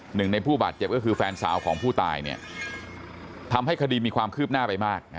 หนึ่งในผู้บาดเจ็บก็คือแฟนสาวของผู้ตายเนี่ยทำให้คดีมีความคืบหน้าไปมาก